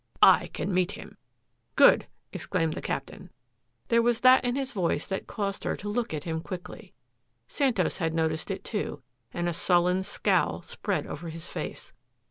I can meet him!" "Good," exclaimed the Captain. There was that in his voice that caused her to look at him quickly. Santos had noticed it, too, and a sullen scowl spread over his face.